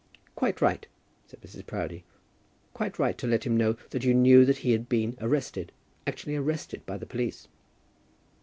"Quite right," said Mrs. Proudie, "quite right to let him know that you knew that he had been arrested, actually arrested by the police."